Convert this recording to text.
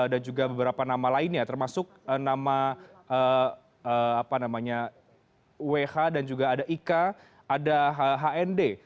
dan juga beberapa nama lainnya termasuk nama wh dan juga ada ika ada hnd